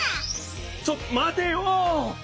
ちょっとまてよ！